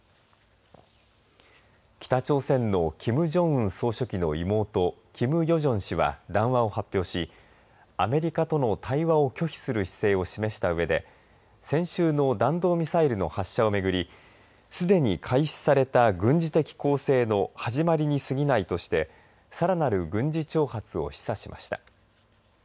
北朝鮮のキム・ジョンウン総書記の妹キム・ヨジョン氏は談話を発表しアメリカとの対話を拒否する姿勢を示したうえで先週の弾道ミサイルの発射を巡りすでに開始された軍事的攻勢の始まりにすぎないとしてさらなる軍事挑発を示唆しました。